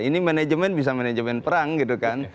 ini manajemen bisa manajemen perang gitu kan